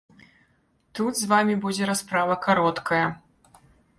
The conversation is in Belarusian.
Тут з вамі будзе расправа кароткая.